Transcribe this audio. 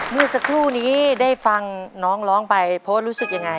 เมื่อสักครู่นี้ได้ฟังน้องร้องไปโพสต์รู้สึกยังไง